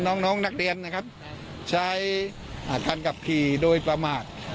น้องน้องนักเรียนนะครับใช้การขับขี่โดยประมาท